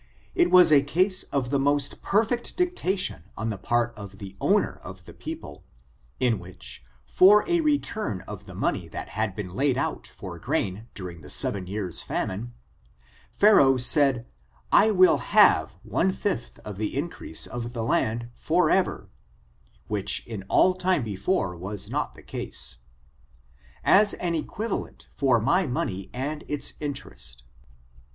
It was a case of the most perfect dictation on the part of the owner of the peo ple, in which, for a return of the money that had been laid out for grain during the seven years' fam ine, Pharaoh said I will have one fifth of the increase of the land for ever (which in all time before was not the case) as an equivalent for my money and its interest.